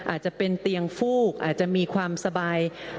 อาจจะเป็นเตียงฟูกอาจจะมีความสบาย